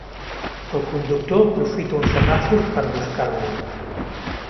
El conductor aprofita un semàfor per buscar-lo.